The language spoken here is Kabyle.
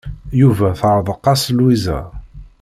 Yuba teɛreq-as Lwiza.